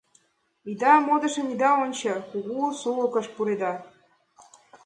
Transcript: Ия модышым ида ончо, кугу сулыкыш пуреда!